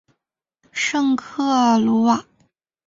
圣克鲁瓦。